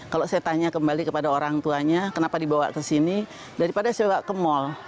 kalau saya tanya kembali kepada orang tuanya kenapa dibawa ke sini daripada saya bawa ke mall